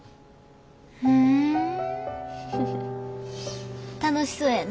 ふん楽しそうやな。